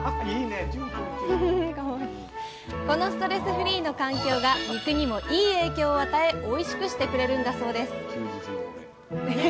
このストレスフリーの環境が肉にもいい影響を与えおいしくしてくれるんだそうです